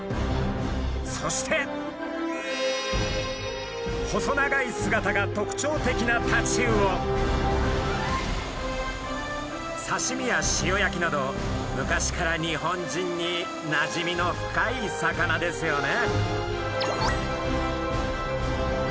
そして細長い姿が特徴的なさしみや塩焼きなど昔から日本人になじみの深い魚ですよね。